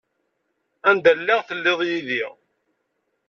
Anda lliɣ telliḍ yid-i.